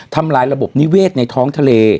ทำลายระบบนิเวศในท้องทะเล